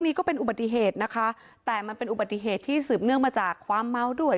นี่ก็เป็นอุบัติเหตุนะคะแต่มันเป็นอุบัติเหตุที่สืบเนื่องมาจากความเมาด้วย